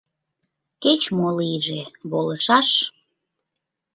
Кеч-мо лийже, волышаш!»